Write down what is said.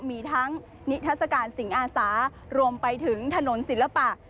มีทั้งนิทัศกาลสิงอาสารวมไปถึงถนนศิลปะ